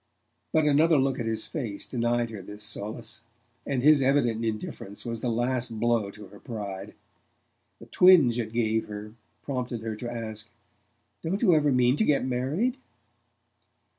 But another look at his face denied her this solace; and his evident indifference was the last blow to her pride. The twinge it gave her prompted her to ask: "Don't you ever mean to get married?"